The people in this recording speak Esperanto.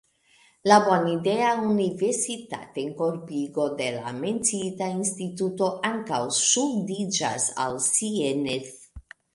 La bonidea universitatenkorpigo de la menciita instituto ankaŭ ŝuldiĝas al Sienerth.